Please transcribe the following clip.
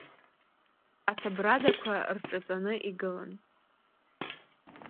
Асабрадақәа рҿаҵаны игылан.